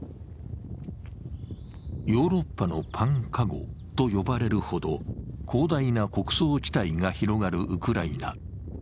ヨーロッパのパン籠と呼ばれるほど広大な穀倉地帯が広がるウクライナ。